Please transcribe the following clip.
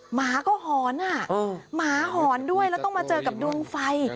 หมาก็หอนอ่ะหมาหอนด้วยแล้วต้องมาเจอกับดวงไฟ